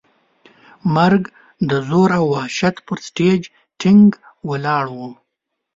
مرګ د زور او وحشت پر سټېج ټینګ ولاړ و.